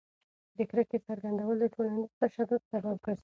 د کرکې څرګندول د ټولنیز تشدد سبب ګرځي.